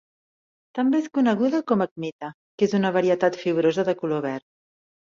També es coneguda com acmita, que és una varietat fibrosa de color verd.